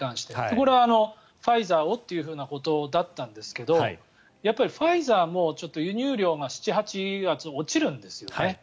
これはファイザーをということだったんですけどファイザーもちょっと輸入量が７月、８月は落ちるんですよね。